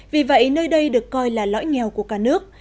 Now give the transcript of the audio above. vì vậy nơi đây được coi là lõi nghèo của cả nước